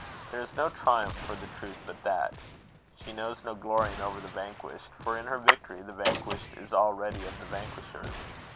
There is no triumph for the Truth but that. She knows no glorying over the vanquished, for in her victory the vanquished is already of the vanquishers.